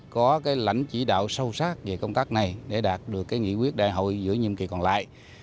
có lãnh chỉ đạo sâu sát về công tác này để đạt được cái nghị quyết đại hội giữa nhiệm kỳ còn lại